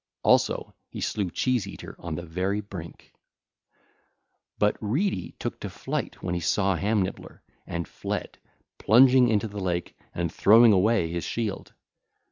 Also he slew Cheese eater on the very brink.... ((LACUNA)) (ll. 224 251) But Reedy took to flight when he saw Ham nibbler, and fled, plunging into the lake and throwing away his shield.